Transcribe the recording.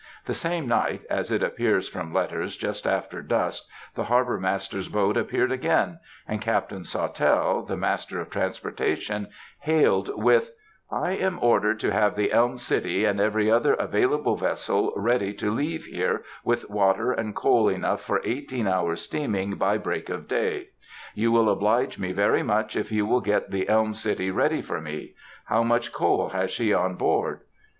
The same night, as it appears from letters, just after dusk, the Harbor master's boat appeared again, and Captain Sawtelle, the Master of Transportation, hailed with— "I am ordered to have the Elm City and every other available vessel ready to leave here, with water and coal enough for eighteen hours' steaming, by break of day. You will oblige me very much if you will get the Elm City ready for me. How much coal has she on board?"